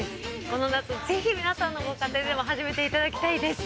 この夏ぜひ皆さんのご家庭でもはじめていただきたいです。